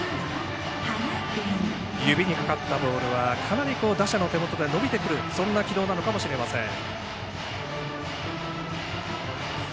指にかかったボールはかなり打者の手元で伸びてくるそんな軌道なのかもしれません。